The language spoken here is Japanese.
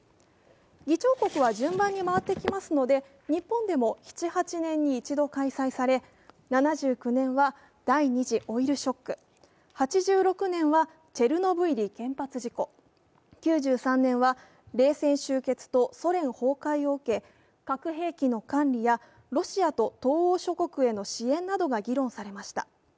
議長国は順番に回ってきますので、日本でも７８年に一度開催され、７９年は第２次オイルショック、８６年はチェルノブイリ原発事故、９３年は冷戦終結とソ連崩壊を受け核兵器の管理やロシアと東欧諸国への支援などが議論されました。